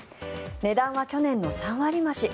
値段は去年の３割増し。